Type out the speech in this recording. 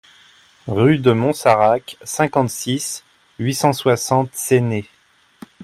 Rue de Montsarrac, cinquante-six, huit cent soixante Séné